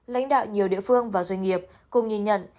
lãnh đạo nhiều địa phương và doanh nghiệp cùng nhìn nhận